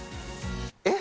えっ？